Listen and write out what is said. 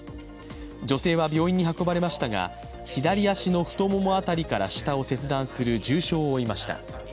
女性は病院に運ばれましたが左足の太もも辺りから下を切断する重傷を負いました。